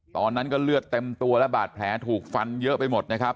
ตอนนั้นก็เลือดเต็มตัวและบาดแผลถูกฟันเยอะไปหมดนะครับ